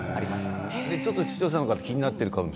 ちょっと視聴者の方気になってるかも。